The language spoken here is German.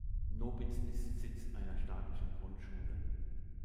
Nobitz ist Sitz einer Staatlichen Grundschule.